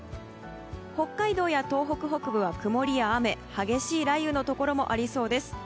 北海道や東北北部は曇りや雨激しい雷雨のところもありそうです。